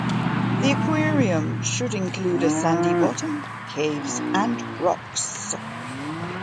The aquarium should include a sandy bottom, caves, and rocks.